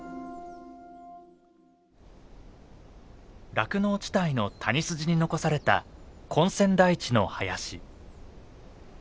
酪農地帯の谷筋に残された根釧台地の林。